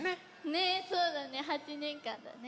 ねえそうだね８ねんかんだね。